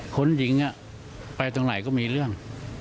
คนหญิงไปตรงไหนก็มีเรื่อง